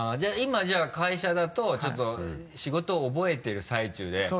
今じゃあ会社だとちょっと仕事覚えてる最中で。